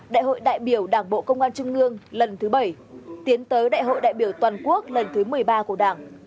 đại hội đại biểu đảng bộ công an trung ương lần thứ bảy tiến tới đại hội đại biểu toàn quốc lần thứ một mươi ba của đảng